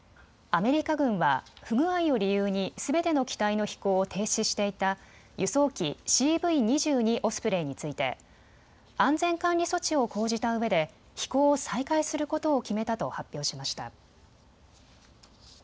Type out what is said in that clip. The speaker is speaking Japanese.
アメリカ軍は不具合を理由にすべての機体の飛行を停止していた輸送機、ＣＶ２２オスプレイについて安全管理措置を講じたうえで飛行を再開することを決めたと発表しました。